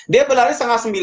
dia berlari setengah sembilan